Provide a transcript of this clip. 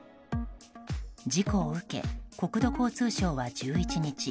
事故を受け国土交通省は１１日